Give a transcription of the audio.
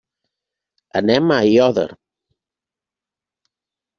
Anem a Aiòder.